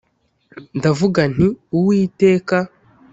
ndavuga nti “Uwiteka